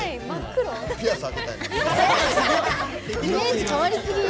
イメージ変わりすぎ。